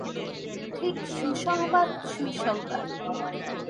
ঠিক, সুসংবাদ, সুসংবাদ।